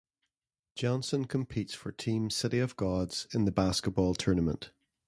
Johnson competes for Team City of Gods in The Basketball Tournament.